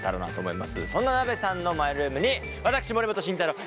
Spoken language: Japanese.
そんななべさんのマイルームに私森本慎太郎